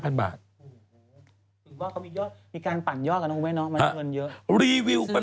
จากกระแสของละครกรุเปสันนิวาสนะฮะ